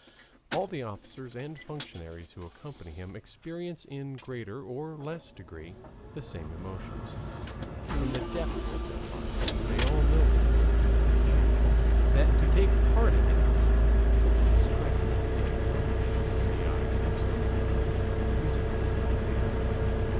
All the officers and functionaries who accompany him experience in greater or less degree the same emotions. In the depths of their hearts they all know that what they are doing is shameful, that to take part in it is a discredit and blemish in the eyes of some people whose opinion they value.